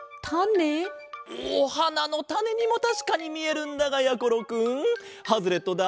おはなのタネにもたしかにみえるんだがやころくんハズレットだ。